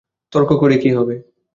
তর্ক করে কী হবে।